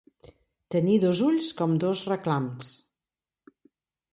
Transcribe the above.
Tenir dos ulls com dos reclams.